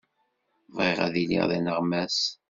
Bɣiɣ ad iliɣ d aneɣmas.